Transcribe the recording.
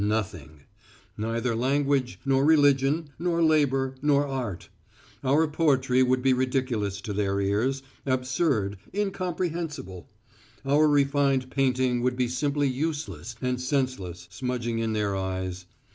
Nothing. Neither language, nor religion, nor labour, nor art. Our poetry would be ridiculous to their ears, absurd, incomprehensible. Our refined painting would be simply useless and senseless smudging in their eyes.